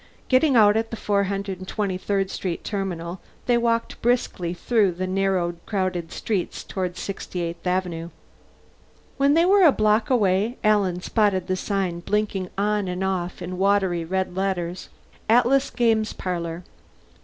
Getting out at the 423rd Street terminal, they walked briskly through the narrow crowded streets toward 68th Avenue. When they were a block away Alan spotted the sign, blinking on and off in watery red letters: ATLAS GAMES PARLOR.